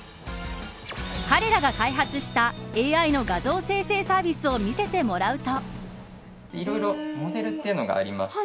彼らが開発したＡＩの画像生成サービスを見せてもらうと。